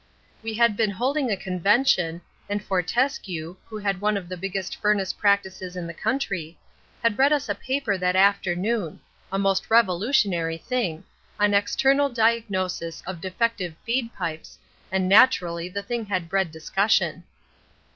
We had been holding a convention, and Fortescue, who had one of the biggest furnace practices in the country, had read us a paper that afternoon a most revolutionary thing on External Diagnosis of Defective Feed Pipes, and naturally the thing had bred discussion.